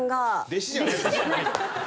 弟子じゃない。